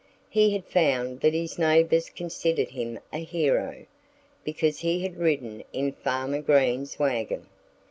He had found that his neighbors considered him a hero, because he had ridden in Farmer Green's wagon.